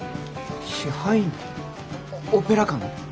支配人オペラ館の？